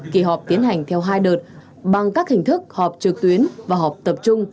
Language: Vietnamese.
kỳ họp tiến hành theo hai đợt bằng các hình thức họp trực tuyến và họp tập trung